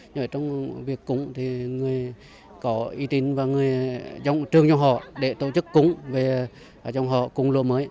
nhưng mà trong việc cúng thì người có uy tín và người trông trương cho họ để tổ chức cúng về ở trong họ cúng lúa mới